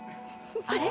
あれ？